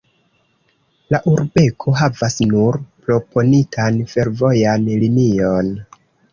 La urbego havas nur proponitan fervojan linion.